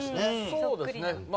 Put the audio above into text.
そうですね。